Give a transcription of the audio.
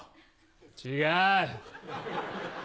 違う。